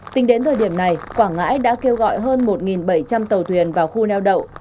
tính đến thời điểm này quảng ngãi đã kêu gọi hơn một bảy trăm linh tàu thuyền vào khu neo đậu